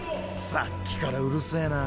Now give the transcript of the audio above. さっきからうるせぇな。